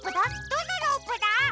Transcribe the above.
どのロープだ？